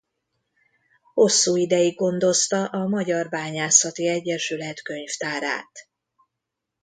Hosszú ideig gondozta a Magyar Bányászati Egyesület könyvtárát.